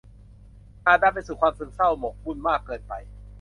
อาจนำไปสู่ความซึมเศร้าหมกมุ่นมากเกินไป